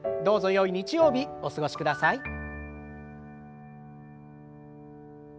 どうぞよい日曜日お過ごしください。